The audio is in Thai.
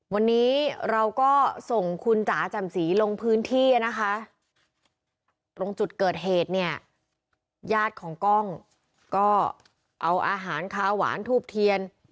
วันนี้เราก็ส่งคุณจ๋าจำสีลงพื้นที่นะคะตรงจุดเกิดเหตุเนี่ยญาติของกล้องก็เอาอาหารขาวหวานทูบเทียน